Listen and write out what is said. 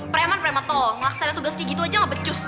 preman preman tol ngelaksanain tugas kiki gitu aja gak becus